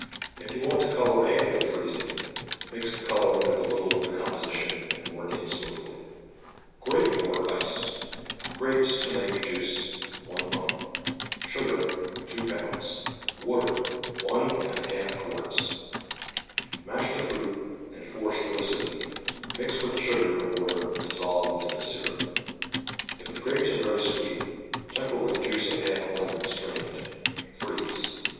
If you want to color after the freezing, mix the coloring with a little of the composition, and work in smoothly. (Brape crater % ce. Grapes to make juice, i pint; Sugar, 2 lb.; Water, I y z qt. Mash the fruit and force through a sieve; mix with the sugar and water dissolved into the syrup. If the grapes are very sweet, temper with juice of half a lemon, strained. Freeze.